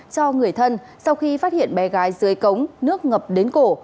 cho người thân sau khi phát hiện bé gái dưới cống nước ngập đến cổ